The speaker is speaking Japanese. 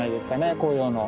紅葉の。